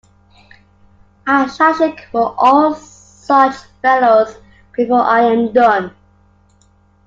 I shall shake all such fellows before I am done.